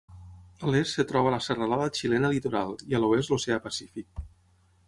A l'est es troba la serralada xilena litoral i a l'oest l'oceà Pacífic.